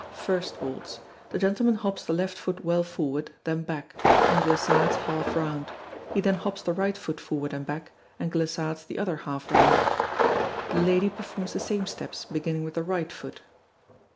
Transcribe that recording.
First Waltz. The gentleman hops the left foot well forward, then hack; and glissades half round. He then hops the right foot forward and back, and glissades the other half round. The lady performs the same steps, beginning with the right foot.